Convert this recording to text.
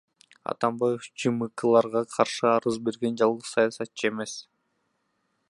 Атамбаев ЖМКларга каршы арыз берген жалгыз саясатчы эмес.